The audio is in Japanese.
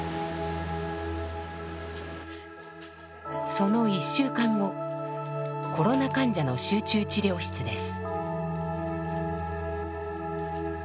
その１週間後コロナ患者の集中治療室です。